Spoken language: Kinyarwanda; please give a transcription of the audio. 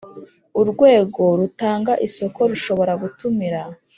Urwego rutanga isoko rushobora gutumira